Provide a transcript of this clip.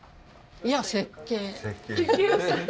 いや設計ね。